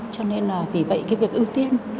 cho nên là vì vậy cái việc ưu tiên